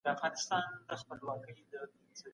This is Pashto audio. د وسايلو سم کارول وخت غواړي.